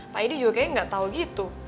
pak edi juga kayaknya gak tau gitu